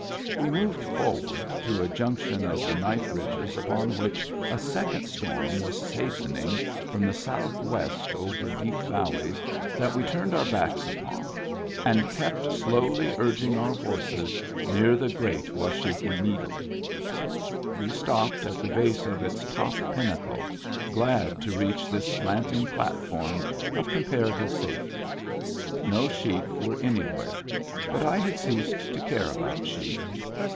We moved forward to a junction of the knife ridges upon which a second storm was hastening from the southwest over deep valleys Digitized by Google TIMBERLINE 153 that we turned our backs upon, and kept slowly urging our horses near the Great Washakie Needle. We stopped at the base of its top pinnacle, glad to reach this slanting platform of compara tive safety. No sheep were anywhere, but I had ceased to care about sheep.